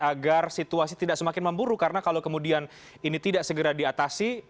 agar situasi tidak semakin memburu karena kalau kemudian ini tidak segera diatasi